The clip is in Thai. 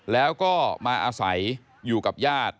แล้วก็มาอาศัยอยู่กับญาติ